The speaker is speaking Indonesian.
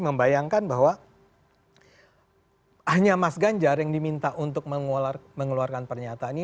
membayangkan bahwa hanya mas ganjar yang diminta untuk mengeluarkan pernyataan ini